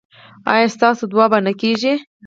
ایا ستاسو دعا به نه کیږي؟